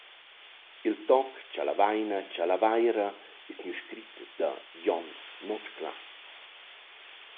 Il toc «Chalavaina-Chalavaira» es gnü scrit da Jon Nuotclà.